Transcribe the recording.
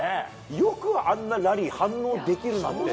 よくあんなラリー反応できるな！って。